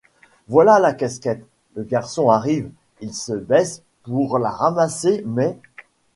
Voilà la casquette, le garçon arrive, il se baisse pour la ramasser mais.